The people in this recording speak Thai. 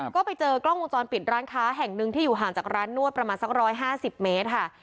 ก็ไปเจอกล้องวงจรปิดร้านค้าแห่งหนึ่งที่อยู่ห่างจากร้านนวดประมาณสัก๑๕๐เมตรค่ะ